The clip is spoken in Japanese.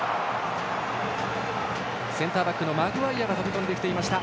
センターバックのマグワイアが飛び込んできていました。